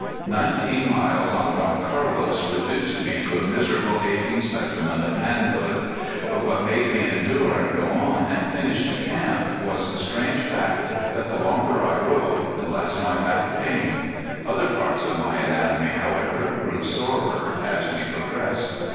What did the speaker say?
Nineteen miles on Don Carlos reduced me to a miserable aching specimen of manhood. But what made me endure and go on and finish to camp was the strange fact that the longer I rode the less my back pained. Other parts of my anatomy, however, grew sorer as we progressed.